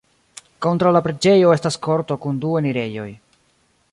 Kontraŭ la preĝejo estas korto kun du enirejoj.